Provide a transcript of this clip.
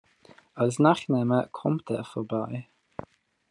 Als Nachname kommt er vor bei